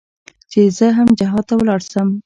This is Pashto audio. چې زه هم جهاد ته ولاړ سم.